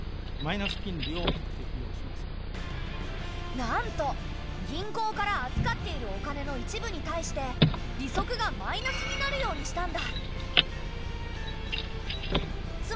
なんと銀行から預かっているお金の一部に対して利息がマイナスになるようにしたんだ。